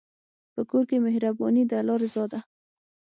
په کور کې مهرباني د الله رضا ده.